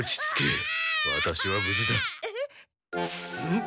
ん？